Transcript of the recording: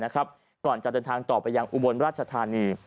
นะครับก่อนจัดเดินทางต่อไปยังอุบวนราชธารณี